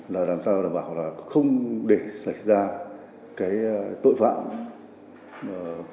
làm sao đảm bảo không để xảy ra tội phạm